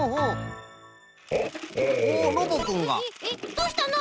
どうしたの？